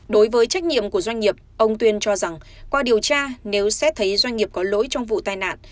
đối với trách nhiệm của doanh nghiệp ông tuyên cho rằng qua điều tra nếu xét thấy doanh nghiệp có lỗi trong vụ tai nạn